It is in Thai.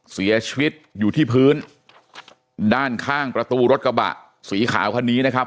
เสียชีวิตอยู่ที่พื้นด้านข้างประตูรถกระบะสีขาวคันนี้นะครับ